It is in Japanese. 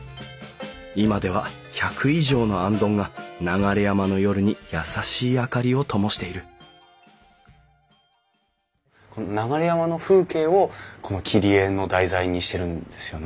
今では１００以上の行灯が流山の夜に優しい明かりをともしている流山の風景を切り絵の題材にしてるんですよね。